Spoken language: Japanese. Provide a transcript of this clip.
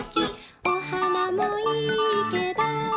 「お花もいいけど」